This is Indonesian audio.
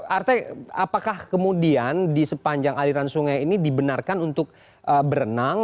arte apakah kemudian di sepanjang aliran sungai ini dibenarkan untuk berenang